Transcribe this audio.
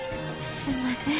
すんません。